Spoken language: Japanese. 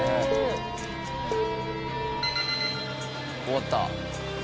終わった。